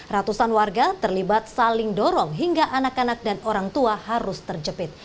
ratusan warga terlibat saling dorong hingga anak anak dan orang tua harus terjepit